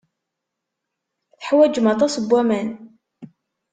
Teḥwajem aṭas n waman.